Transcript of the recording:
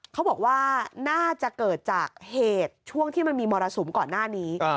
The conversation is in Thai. เขาบอกว่าน่าจะเกิดจากเหตุช่วงที่มันมีมรสุมก่อนหน้านี้